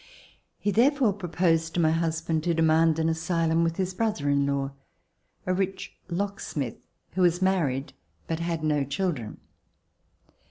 He therefore proposed to my husband to demand an asylum with his brother in law, a rich locksmith, who was married but had no children.